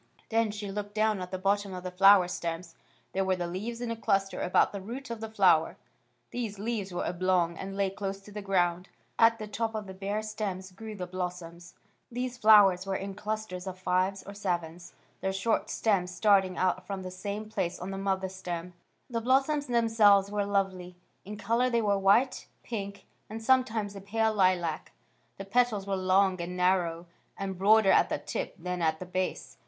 Then she looked down at the bottom of the flower stems. There were the leaves in a clus ter about the root of the flower. These leaves were oblong, and lay close to the ground. At the top of the bare stems grew the bios AMONG THE GRASSES 173 soms. These flowers were in clusters of fives or sevens, their short stems starting out from the same place on the mother stem. The blossoms themselves were lovely. In colour they were white, pink, and sometimes a pale lilac. The petals were long and narrow and broader at the tip than at the base.